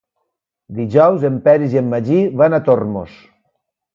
Dijous en Peris i en Magí van a Tormos.